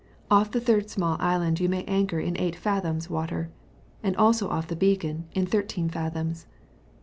Off the third small island you may anchor in 8 fathoms water; and also off the beacon, in 13 fathoms.